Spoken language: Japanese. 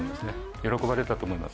喜ばれたと思います。